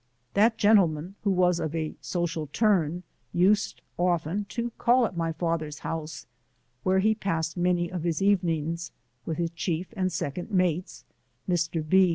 That gentleman, who was of a social turn, used often to/ call at my father's house, where he passed many of his evenings, with his chief and second mates, Mr. B.